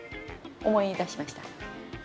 思い出しました？